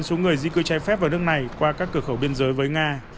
số người di cư trái phép vào nước này qua các cửa khẩu biên giới với nga